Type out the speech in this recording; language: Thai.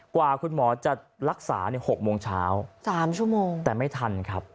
กว่าคุณหมอจะรักษา๖โมงเช้า๓ชั่วโมงแต่ไม่ทันครับ